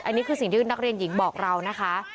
อันนี้คือสิ่งที่นักเรียนหญิงบอกเรานะคะ